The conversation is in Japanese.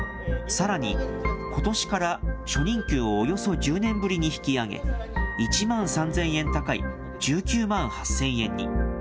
さらに、ことしから初任給をおよそ１０年ぶりに引き上げ、１万３０００円高い１９万８０００円に。